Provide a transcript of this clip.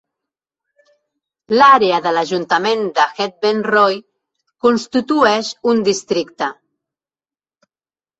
L'àrea de l'ajuntament de Hebden Royd constitueix un districte.